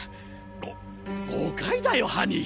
ご誤解だよハニー。